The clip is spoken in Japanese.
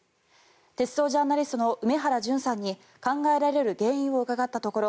鉄道ジャーナリストの梅原淳さんに考えられる原因を伺ったところ